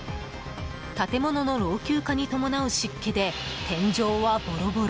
建物の老朽化に伴う湿気で天井はボロボロ。